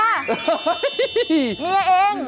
เมียเอง